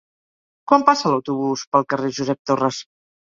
Quan passa l'autobús pel carrer Josep Torres?